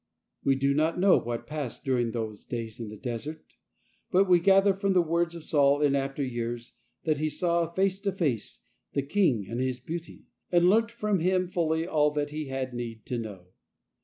I We do not know what passed during those S days in the desert, but we gather from the words of Saul in after years that he saw face to face " the King in His beauty," and learnt from Him fully all that he had need to know.